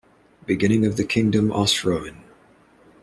Beginning of the kingdom Osroene.